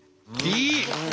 いい！